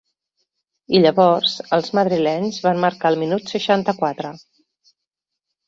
I llavors els madrilenys van marcar al minut seixanta-quatre.